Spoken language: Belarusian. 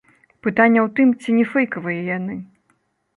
Пытанне ў тым, ці не фэйкавыя яны.